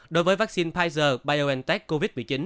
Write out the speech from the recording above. đối với vaccine pfizer biontech covid một mươi chín